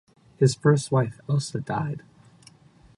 His first wife, Elsa, died.